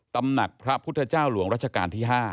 ตำหนักพระพุทธเจ้าหลวงรัชกาลที่๕